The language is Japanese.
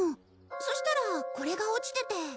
そしたらこれが落ちてて。